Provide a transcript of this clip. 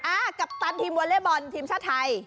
อ่ากัปตันทีมวอเลเบิร์นทีมชาติไทย